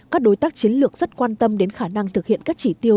các đối tác chiến lược rất quan tâm đến khả năng thực hiện các chỉ tiêu